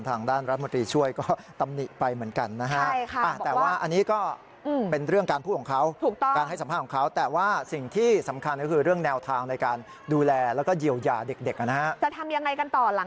ทางด้านรัฐมนตรีช่วยก็ตำหนิไปเหมือนกันนะฮะ